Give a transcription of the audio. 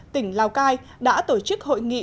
tỉnh lào cai đã tổ chức hội nghị